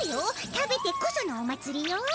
食べてこそのおまつりよ。